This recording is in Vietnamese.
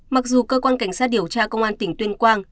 mặc dù cơ quan cảnh sát điều tra công an tỉnh tuyên quang